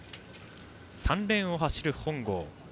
３レーンを走る本郷。